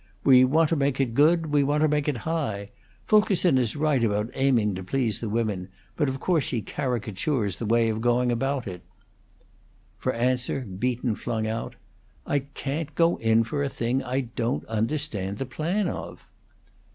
"We want to make it good; we want to make it high. Fulkerson is right about aiming to please the women, but of course he caricatures the way of going about it." For answer, Beaton flung out, "I can't go in for a thing I don't understand the plan of."